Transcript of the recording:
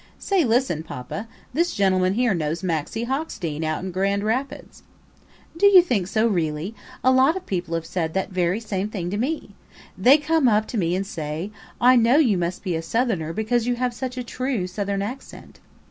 Say, listen, Poppa, this gentleman here knows Maxie Hockstein out in Grand Rapids." ... "Do you think so, really? A lot of people have said that very same thing to me. They come up to me and say 'I know you must be a Southerner because you have such a true Southern accent.'